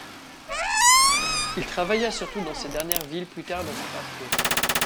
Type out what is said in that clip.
Il travailla surtout dans ces dernières villes plus tard dans son parcours.